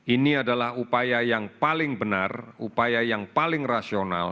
ini adalah upaya yang paling benar upaya yang paling rasional